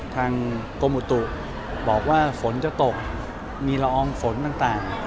ทางกรมอุตุบอกว่าฝนจะตกมีละอองฝนต่าง